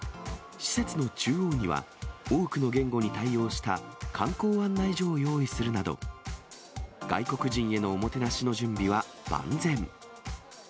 施設の中央には、多くの言語に対応した観光案内所を用意するなど、外国人へのおもてなしの準備は万全。